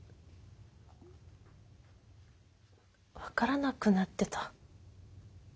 分からなくなってた。